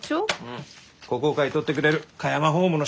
ここを買い取ってくれる香山ホームの社長。